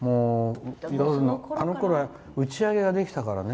あのころは打ち上げができたからね。